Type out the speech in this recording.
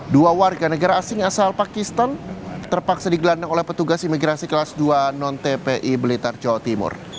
dua warga negara asing asal pakistan terpaksa digelandang oleh petugas imigrasi kelas dua non tpi blitar jawa timur